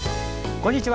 こんにちは。